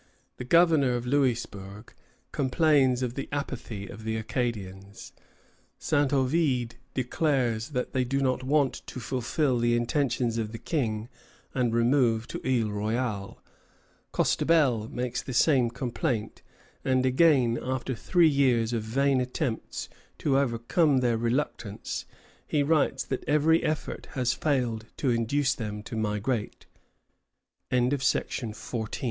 The governor of Louisbourg complains of the apathy of the Acadians. Saint Ovide declares that they do not want to fulfil the intentions of the King and remove to Isle Royale. Costebelle makes the same complaint; and again, after three years of vain attempts to overcome their reluctance, he writes that every effort has failed to induce them t